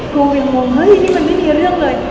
ครูวินงงเฮ้ยนี่มันไม่มีเรื่องเลย